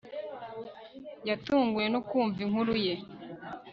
Yatunguwe no kumva inkuru ye